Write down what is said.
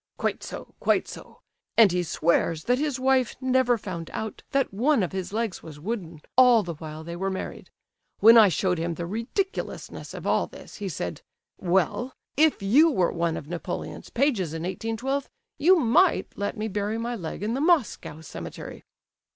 "Quite so, quite so; and he swears that his wife never found out that one of his legs was wooden all the while they were married. When I showed him the ridiculousness of all this, he said, 'Well, if you were one of Napoleon's pages in 1812, you might let me bury my leg in the Moscow cemetery.